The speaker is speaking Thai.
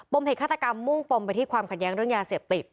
มเหตุฆาตกรรมมุ่งปมไปที่ความขัดแย้งเรื่องยาเสพติด